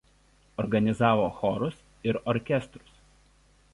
Organizavo chorus ir orkestrus.